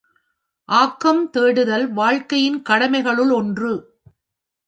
ஆக்கம் தேடுதல் வாழ்க்கையின் கடமைகளுள் ஒன்று.